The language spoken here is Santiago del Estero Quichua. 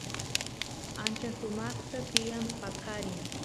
ancha sumaqta tiyan paqarin